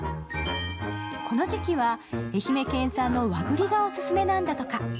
この時期は愛媛県産の和ぐりがオススメなんだとか。